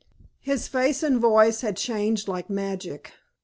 His face and voice had changed like magic.